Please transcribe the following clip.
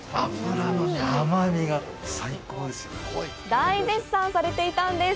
大絶賛されていたんです！